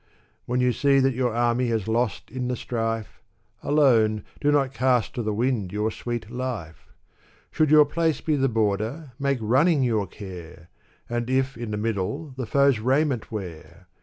When you see that your army has lost in the strife, Alone, do not cast to the wind your sweet life ! Should your place be the border, make running your care! And if in the middle, the foe's raiment wear